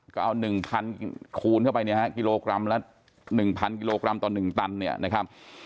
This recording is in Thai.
ก็เอา๑๐๐คูณเข้าไปเนี่ยฮะกิโลกรัมละ๑๐๐กิโลกรัมต่อ๑ตันเนี่ยนะครับ